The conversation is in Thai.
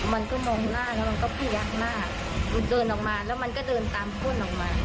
มันก็มองหน้าแล้วมันก็พยักหน้าเดินออกมาแล้วมันก็เดินตามพ่นออกมา